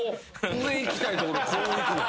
上いきたいところこういくの？